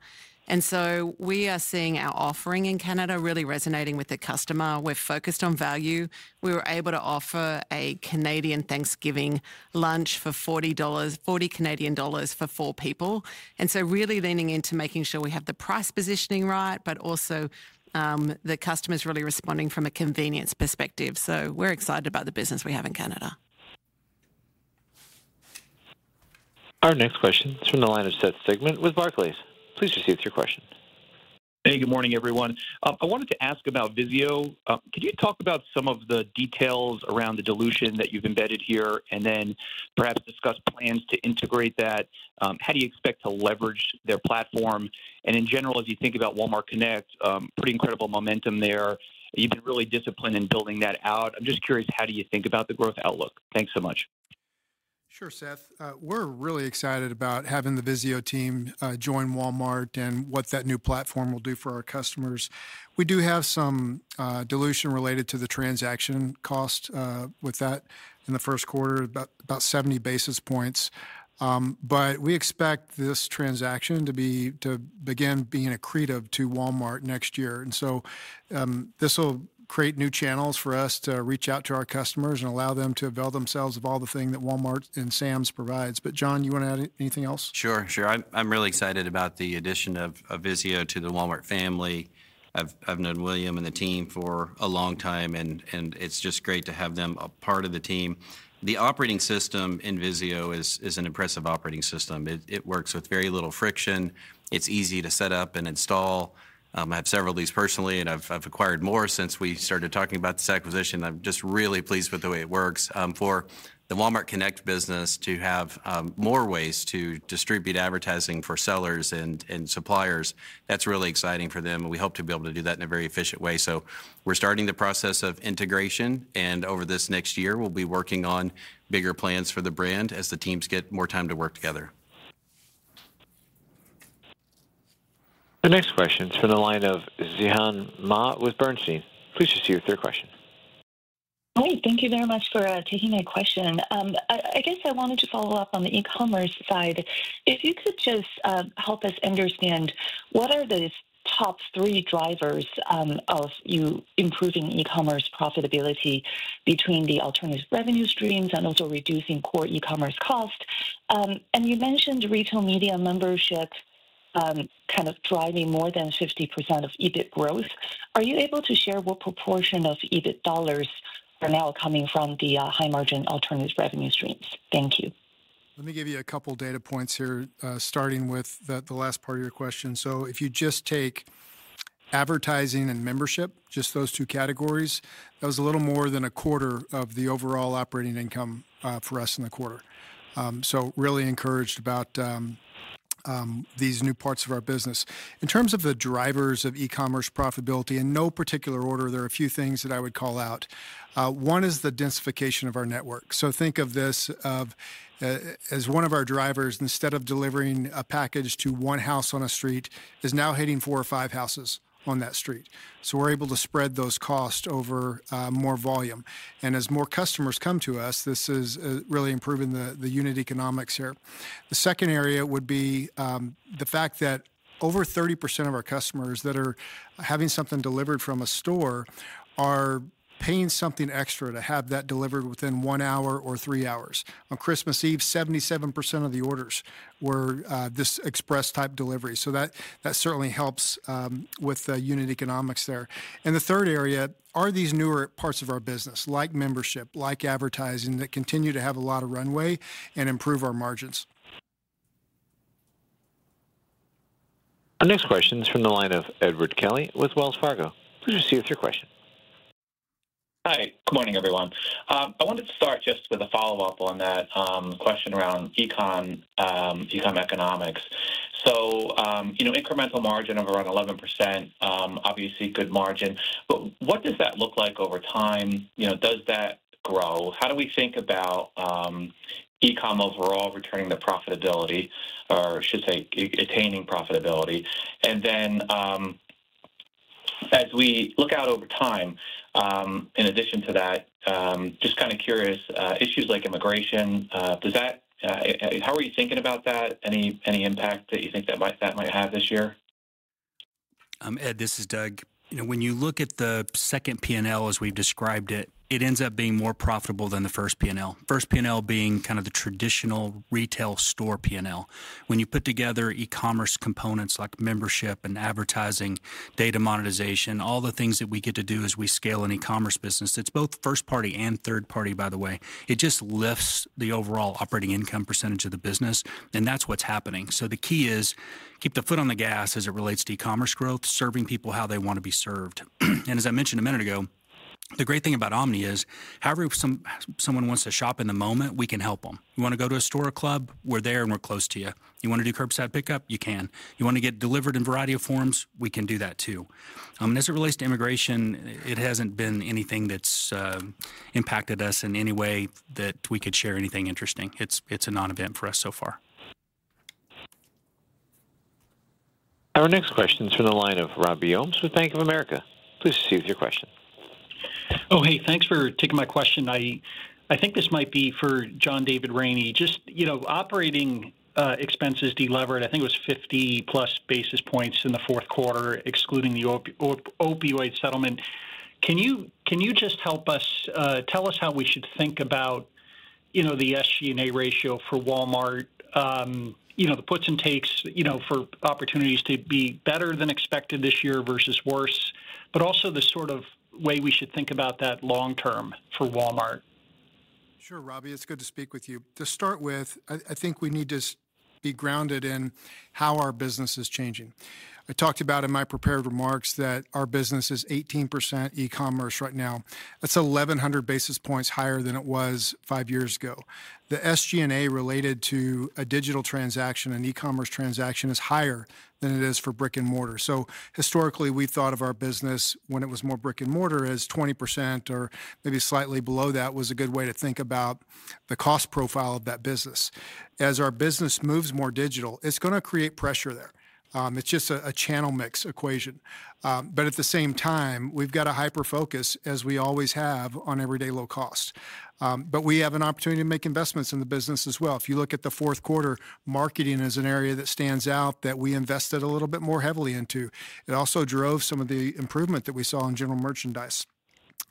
And so we are seeing our offering in Canada really resonating with the customer. We're focused on value. We were able to offer a Canadian Thanksgiving lunch for 40 dollars, 40 Canadian dollars for four people. And so really leaning into making sure we have the price positioning right, but also the customers really responding from a convenience perspective. So we're excited about the business we have in Canada. Our next question is from the line of Seth Sigman with Barclays. Please proceed with your question. Hey, good morning, everyone. I wanted to ask about VIZIO. Could you talk about some of the details around the dilution that you've embedded here and then perhaps discuss plans to integrate that? How do you expect to leverage their platform? And in general, as you think about Walmart Connect, pretty incredible momentum there. You've been really disciplined in building that out. I'm just curious, how do you think about the growth outlook? Thanks so much. Sure, Seth. We're really excited about having the VIZIO team join Walmart and what that new platform will do for our customers. We do have some dilution related to the transaction cost with that in the first quarter, about 70 basis points. But we expect this transaction to begin being accretive to Walmart next year. And so this will create new channels for us to reach out to our customers and allow them to avail themselves of all the things that Walmart and Sam's provides. But John, you want to add anything else? Sure, sure. I'm really excited about the addition of VIZIO to the Walmart family. I've known William and the team for a long time, and it's just great to have them a part of the team. The operating system in VIZIO is an impressive operating system. It works with very little friction. It's easy to set up and install. I have several of these personally, and I've acquired more since we started talking about this acquisition. I'm just really pleased with the way it works. For the Walmart Connect business to have more ways to distribute advertising for sellers and suppliers, that's really exciting for them. We hope to be able to do that in a very efficient way. We're starting the process of integration. Over this next year, we'll be working on bigger plans for the brand as the teams get more time to work together. The next question is from the line of Zhihan Ma with Bernstein. Please proceed with your question. Hi, thank you very much for taking my question. I guess I wanted to follow up on the e-commerce side. If you could just help us understand what are the top three drivers of you improving e-commerce profitability between the alternative revenue streams and also reducing core e-commerce costs? And you mentioned retail media membership kind of driving more than 50% of EBIT growth. Are you able to share what proportion of EBIT dollars are now coming from the high-margin alternative revenue streams? Thank you. Let me give you a couple of data points here, starting with the last part of your question, so if you just take advertising and membership, just those two categories, that was a little more than a quarter of the overall operating income for us in the quarter, so really encouraged about these new parts of our business. In terms of the drivers of e-commerce profitability, in no particular order, there are a few things that I would call out. One is the densification of our network. So think of this as one of our drivers, instead of delivering a package to one house on a street, is now hitting four or five houses on that street, so we're able to spread those costs over more volume, and as more customers come to us, this is really improving the unit economics here. The second area would be the fact that over 30% of our customers that are having something delivered from a store are paying something extra to have that delivered within one hour or three hours. On Christmas Eve, 77% of the orders were this express-type delivery. So that certainly helps with the unit economics there. And the third area are these newer parts of our business, like membership, like advertising, that continue to have a lot of runway and improve our margins. Our next question is from the line of Edward Kelly with Wells Fargo. Please proceed with your question. Hi, good morning, everyone. I wanted to start just with a follow-up on that question around e-com economics. So incremental margin of around 11%, obviously good margin. But what does that look like over time? Does that grow? How do we think about e-com overall returning the profitability, or I should say attaining profitability? And then as we look out over time, in addition to that, just kind of curious, issues like immigration, how are you thinking about that? Any impact that you think that might have this year? Ed, this is Doug. When you look at the second P&L, as we've described it, it ends up being more profitable than the first P&L. First P&L being kind of the traditional retail store P&L. When you put together e-commerce components like membership and advertising, data monetization, all the things that we get to do as we scale an e-commerce business, it's both first-party and third-party, by the way. It just lifts the overall operating income percentage of the business, and that's what's happening. So the key is keep the foot on the gas as it relates to e-commerce growth, serving people how they want to be served. And as I mentioned a minute ago, the great thing about omni is however someone wants to shop in the moment, we can help them. You want to go to a store or club, we're there and we're close to you. You want to do curbside pickup, you can. You want to get delivered in a variety of forms, we can do that too. And as it relates to inflation, it hasn't been anything that's impacted us in any way that we could share anything interesting. It's a non-event for us so far. Our next question is from the line of Robbie Ohmes with Bank of America. Please proceed with your question. Oh, hey, thanks for taking my question. I think this might be for John David Rainey. Just operating expenses delivered, I think it was 50+ basis points in the fourth quarter, excluding the opioid settlement. Can you just help us tell us how we should think about the SG&A ratio for Walmart, the puts and takes for opportunities to be better than expected this year versus worse, but also the sort of way we should think about that long-term for Walmart? Sure, Robbie, it's good to speak with you. To start with, I think we need to be grounded in how our business is changing. I talked about in my prepared remarks that our business is 18% e-commerce right now. That's 1,100 basis points higher than it was five years ago. The SG&A related to a digital transaction, an e-commerce transaction, is higher than it is for brick and mortar. So historically, we thought of our business when it was more brick and mortar as 20% or maybe slightly below that was a good way to think about the cost profile of that business. As our business moves more digital, it's going to create pressure there. It's just a channel mix equation. But at the same time, we've got a hyper-focus, as we always have, on everyday low cost. But we have an opportunity to make investments in the business as well. If you look at the fourth quarter, marketing is an area that stands out that we invested a little bit more heavily into. It also drove some of the improvement that we saw in general merchandise.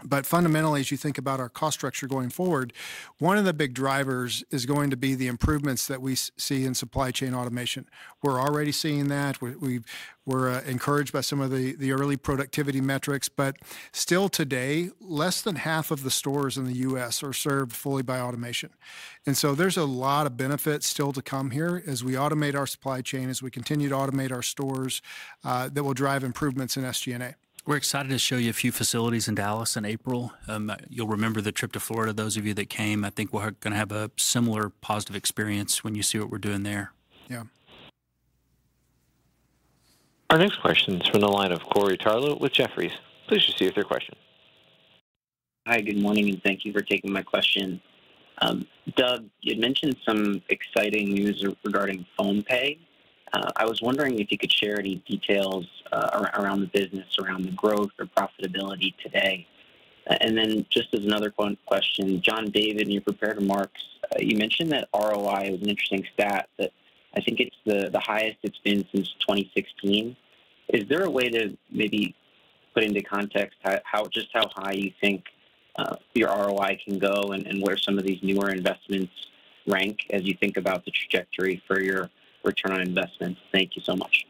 But fundamentally, as you think about our cost structure going forward, one of the big drivers is going to be the improvements that we see in supply chain automation. We're already seeing that. We're encouraged by some of the early productivity metrics. But still today, less than half of the stores in the U.S. are served fully by automation. And so there's a lot of benefits still to come here as we automate our supply chain, as we continue to automate our stores that will drive improvements in SG&A. We're excited to show you a few facilities in Dallas in April. You'll remember the trip to Florida, those of you that came. I think we're going to have a similar positive experience when you see what we're doing there. Yeah. Our next question is from the line of Corey Tarlowe with Jefferies. Please proceed with your question. Hi, good morning, and thank you for taking my question. Doug, you had mentioned some exciting news regarding PhonePe. I was wondering if you could share any details around the business, around the growth or profitability today. And then just as another question, John David, in your prepared remarks, you mentioned that ROI was an interesting stat that I think it's the highest it's been since 2016. Is there a way to maybe put into context just how high you think your ROI can go and where some of these newer investments rank as you think about the trajectory for your return on investment? Thank you so much.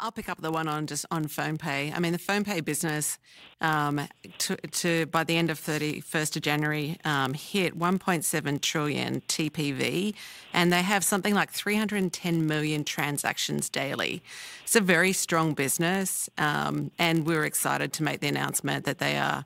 I'll pick up the one on PhonePe. I mean, the PhonePe business, by the end of January 31st, hit 1.7 trillion TPV, and they have something like 310 million transactions daily. It's a very strong business, and we're excited to make the announcement that they are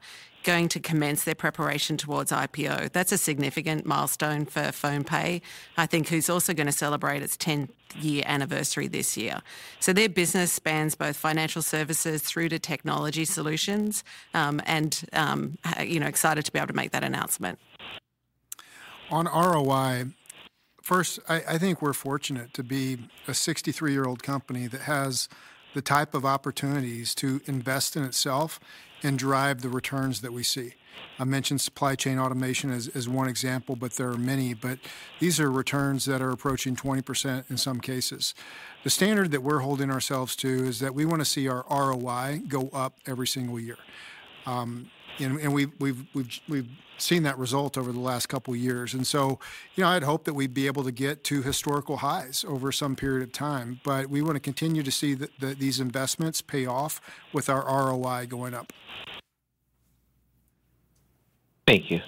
going to commence their preparation towards IPO. That's a significant milestone for PhonePe, I think, who's also going to celebrate its 10th year anniversary this year. Their business spans both financial services through to technology solutions, and excited to be able to make that announcement. On ROI, first, I think we're fortunate to be a 63-year-old company that has the type of opportunities to invest in itself and drive the returns that we see. I mentioned supply chain automation as one example, but there are many. These are returns that are approaching 20% in some cases. The standard that we're holding ourselves to is that we want to see our ROI go up every single year. We've seen that result over the last couple of years. I'd hope that we'd be able to get to historical highs over some period of time. But we want to continue to see these investments pay off with our ROI going up. Thank you.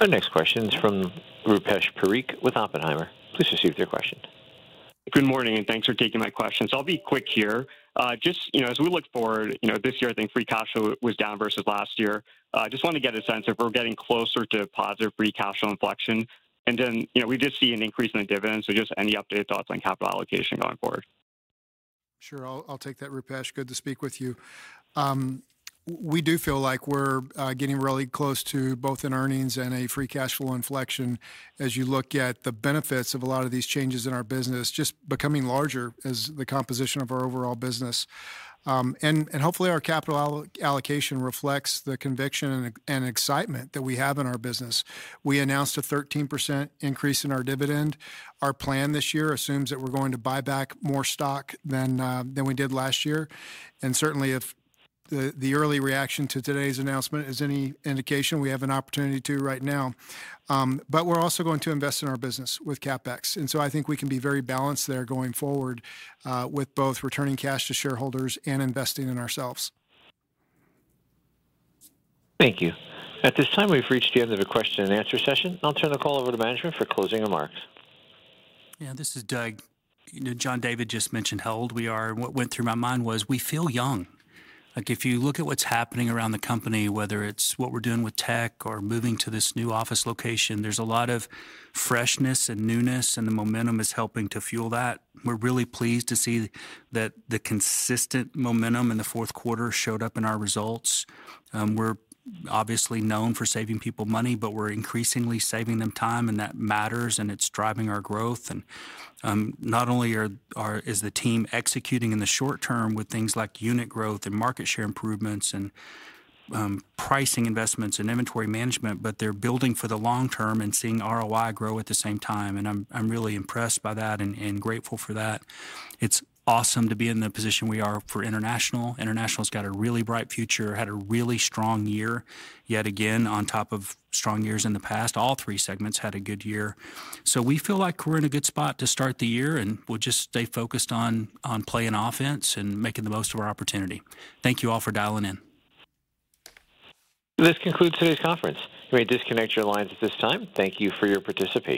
Our next question is from Rupesh Parikh with Oppenheimer. Please proceed with your question. Good morning, and thanks for taking my questions. I'll be quick here. Just as we look forward, this year, I think free cash flow was down versus last year. I just want to get a sense if we're getting closer to positive free cash flow inflection. And then we just see an increase in the dividends. So just any updated thoughts on capital allocation going forward? Sure, I'll take that, Rupesh. Good to speak with you. We do feel like we're getting really close to both an earnings and a free cash flow inflection as you look at the benefits of a lot of these changes in our business, just becoming larger as the composition of our overall business. And hopefully, our capital allocation reflects the conviction and excitement that we have in our business. We announced a 13% increase in our dividend. Our plan this year assumes that we're going to buy back more stock than we did last year. And certainly, if the early reaction to today's announcement is any indication, we have an opportunity to right now. But we're also going to invest in our business with CapEx. And so I think we can be very balanced there going forward with both returning cash to shareholders and investing in ourselves. Thank you. At this time, we've reached the end of the question and answer session. I'll turn the call over to management for closing remarks. Yeah, this is Doug. John David just mentioned health. What went through my mind was we feel young. If you look at what's happening around the company, whether it's what we're doing with tech or moving to this new office location, there's a lot of freshness and newness, and the momentum is helping to fuel that. We're really pleased to see that the consistent momentum in the fourth quarter showed up in our results. We're obviously known for saving people money, but we're increasingly saving them time, and that matters, and it's driving our growth. Not only is the team executing in the short term with things like unit growth and market share improvements and pricing investments and inventory management, but they're building for the long term and seeing ROI grow at the same time. And I'm really impressed by that and grateful for that. It's awesome to be in the position we are for international. International's got a really bright future, had a really strong year yet again on top of strong years in the past. All three segments had a good year. We feel like we're in a good spot to start the year, and we'll just stay focused on playing offense and making the most of our opportunity. Thank you all for dialing in. This concludes today's conference. We may disconnect your lines at this time. Thank you for your participation.